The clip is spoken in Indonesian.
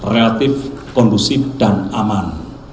relatif kondusif dan aman